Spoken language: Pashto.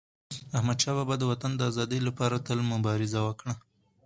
احمدشاه بابا د وطن د ازادی لپاره تل مبارزه وکړه.